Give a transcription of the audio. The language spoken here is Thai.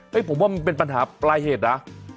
ผมว่ามันเป็นปัญหาปลายเหตุนะ